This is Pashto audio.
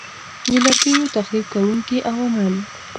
د لرګیو تخریب کوونکي عوامل